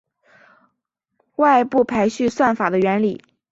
外部排序算法的原理